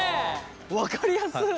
分かりやすっ。